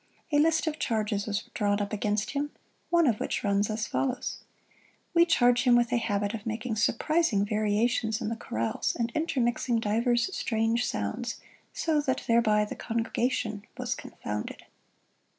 A list of charges was drawn up against him, one of which runs as follows: "We charge him with a habit of making surprising variations in the chorales, and intermixing divers strange sounds, so that thereby the congregation was confounded."